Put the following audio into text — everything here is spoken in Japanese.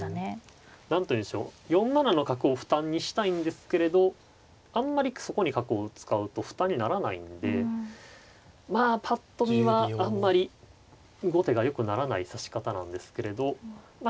何というんでしょう４七の角を負担にしたいんですけれどあんまりそこに角を使うと負担にならないんでまあぱっと見はあんまり後手がよくならない指し方なんですけれどまあ